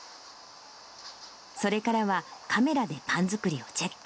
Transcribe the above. それからはカメラでパン作りをチェック。